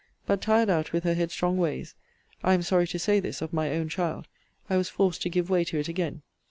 But, tired out with her headstrong ways, [I am sorry to say this of my own child,] I was forced to give way to it again.